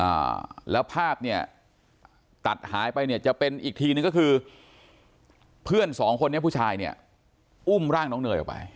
อ่าแล้วภาพเนี่ยตัดหายไปเนี่ยจะเป็นอีกทีนึงก็คือเพื่อนสองคนนี้ผู้ชายเนี่ยอุ้มร่างน้องเนยออกไป